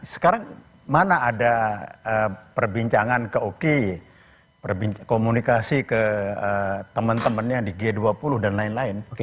sekarang mana ada perbincangan ke oki komunikasi ke teman temannya di g dua puluh dan lain lain